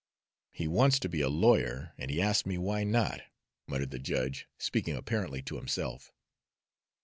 "He wants to be a lawyer, and he asks me why not!" muttered the judge, speaking apparently to himself.